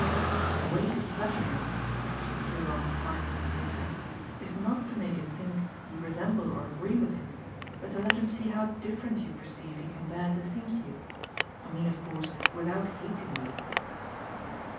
"The way to flatter him," Mitchy threw off five minutes later, "is not to make him think you resemble or agree with him, but to let him see how different you perceive he can bear to think you. I mean of course without hating you."